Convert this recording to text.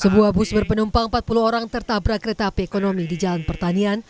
sebuah bus berpenumpang empat puluh orang tertabrak kereta api ekonomi di jalan pertanian